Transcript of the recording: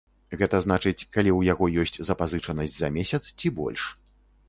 Гэта значыць, калі ў яго ёсць запазычанасць за месяц ці больш.